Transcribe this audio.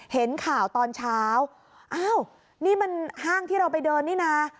เห็นข่าวตอนเช้าอ้าวนี่มันห้างที่เราไปเดินนี่นะ